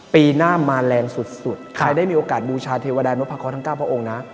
ปีหน้ามาแรงสุดใครได้มีโอกาสบูชาเทวดานพะเคาะทั้ง๙พระองค์นะ